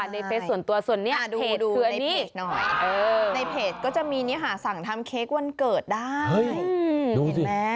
เดี๋ยวดูเดี๋ยวให้ดู